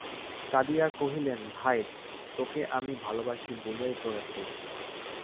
কাঁদিয়া কহিলেন, ভাই, তোকে আমি ভালোবাসি বলিয়াই তোর এত দুঃখ।